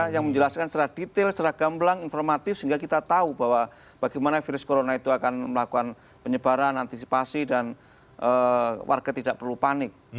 yang menjelaskan secara detail secara gamblang informatif sehingga kita tahu bahwa bagaimana virus corona itu akan melakukan penyebaran antisipasi dan warga tidak perlu panik